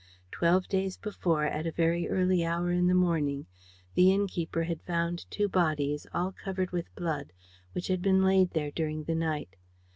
Twelve days before, at a very early hour in the morning, the innkeeper had found two bodies, all covered with blood, which had been laid there during the night.